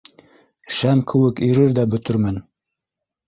Шәм кеүек ирер ҙә бөтөрмөн.